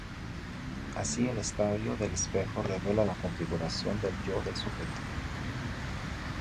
Así el estadio del espejo revela la configuración del yo del sujeto.